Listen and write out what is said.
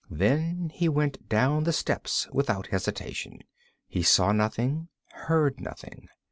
Then he went down the steps without hesitation. He saw nothing, heard nothing.